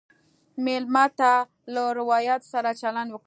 مېلمه ته له روایاتو سره چلند وکړه.